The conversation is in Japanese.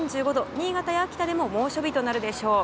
新潟や秋田でも猛暑日となるでしょう。